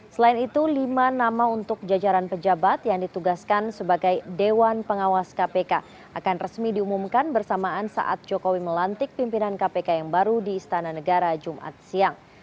selain itu lima nama untuk jajaran pejabat yang ditugaskan sebagai dewan pengawas kpk akan resmi diumumkan bersamaan saat jokowi melantik pimpinan kpk yang baru di istana negara jumat siang